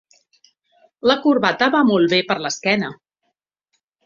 La corbata va molt bé per a l'esquena.